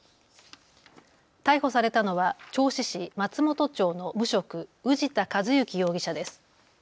逮捕されたのは銚子市松本町の無職、氏田和行容疑者です。